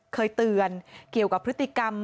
เคยเตือนเกี่ยวกับพฤติกรรม